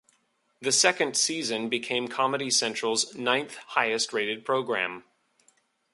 The second season became Comedy Central's ninth highest rated program.